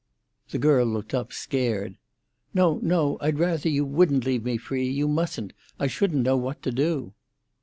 The girl looked up, scared. "No, no; I'd rather you wouldn't leave me free—you mustn't; I shouldn't know what to do."